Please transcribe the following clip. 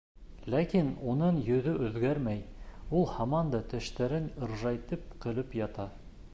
Ләкин уның йөҙө үҙгәрмәй, ул һаман да тештәрен ыржайтып көлөп ята.